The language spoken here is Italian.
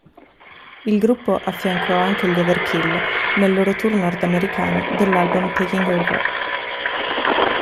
Il gruppo affiancò anche gli Overkill nel loro tour nordamericano dell'album "Taking Over".